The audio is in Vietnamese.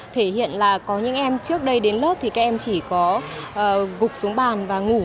thể hiện là có những em trước đây đến lớp thì các em chỉ có gục xuống bàn và ngủ